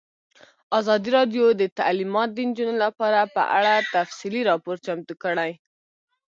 ازادي راډیو د تعلیمات د نجونو لپاره په اړه تفصیلي راپور چمتو کړی.